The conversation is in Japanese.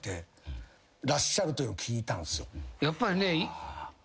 やっぱりね。